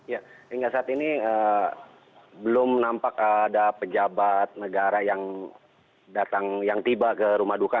ya hingga saat ini belum nampak ada pejabat negara yang datang yang tiba ke rumah duka